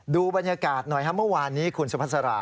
ดูบรรยากาศหน่อยฮะเมื่อวานนี้คุณสมัสรา